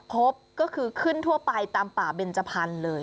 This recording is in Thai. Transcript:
พบก็คือขึ้นทั่วไปตามป่าเบนจพันธุ์เลย